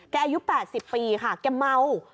อายุ๘๐ปีค่ะแกเมา